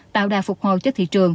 tạo đà phục hồ cho thị trường